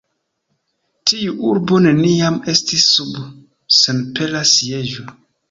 Tiu urbo neniam estis sub senpera sieĝo.